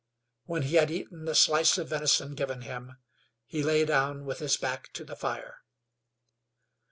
When he had eaten the slice of venison given him he lay down with his back to the fire.